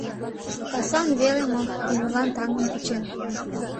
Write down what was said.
Каслан веле мо, ӱмырлан таҥым кучен